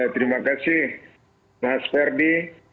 terima kasih mas ferdi